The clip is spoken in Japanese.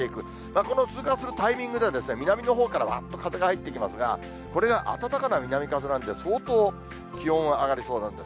この通過するタイミングでは、南のほうからわっと風が入ってきますが、これが暖かな南風なんで、相当気温は上がりそうなんです。